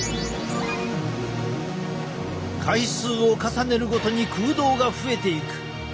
回数を重ねるごとに空洞が増えていく。